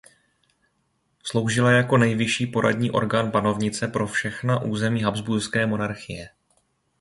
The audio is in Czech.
Sloužila jako nejvyšší poradní orgán panovnice pro všechna území Habsburské monarchie.